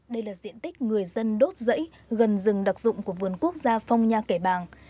đây là diện tích người dân đốt rẫy gần rừng đặc dụng của vườn quốc gia phong nha kẻ bàng